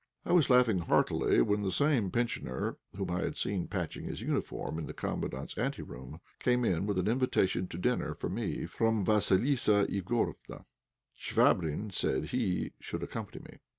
I was laughing heartily when the same pensioner whom I had seen patching his uniform in the Commandant's ante room, came in with an invitation to dinner for me from Vassilissa Igorofna. Chvabrine said he should accompany me.